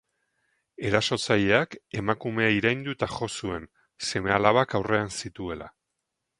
Erasotzaileak emakumea iraindu eta jo zuen, seme-alabak aurrean zituela.